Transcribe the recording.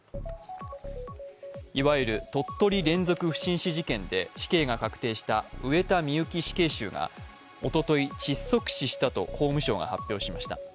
いわゆる鳥取連続不審死事件で死刑が確定した上田美由紀死刑囚がおととい窒息死したと法務省が発表しました。